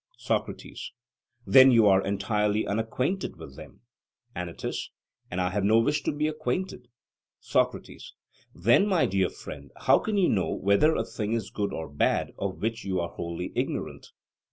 SOCRATES: Then you are entirely unacquainted with them? ANYTUS: And I have no wish to be acquainted. SOCRATES: Then, my dear friend, how can you know whether a thing is good or bad of which you are wholly ignorant?